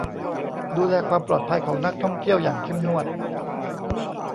ดูแลความปลอดภัยของนักท่องเที่ยวอย่างเข้มงวด